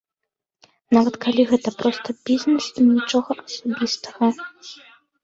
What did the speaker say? Нават калі гэта проста бізнэс і нічога асабістага.